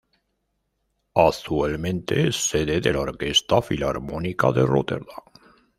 Actualmente es sede de la Orquesta Filarmónica de Róterdam.